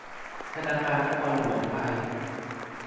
ธนาคารนครหลวงไทย